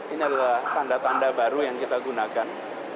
ini adalah tanda tanda baru yang kita gunakan